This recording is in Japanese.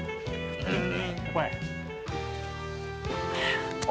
うん。